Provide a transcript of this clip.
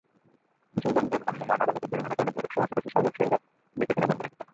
কিশোরগঞ্জে ভ্রাম্যমাণ আদালতের জরিমানার কারণে ভৈরবসহ আশপাশের সার ব্যবসায়ীরা বেচাকেনা বন্ধ রেখেছেন।